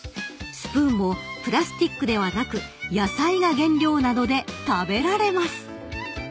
［スプーンもプラスチックではなく野菜が原料なので食べられます］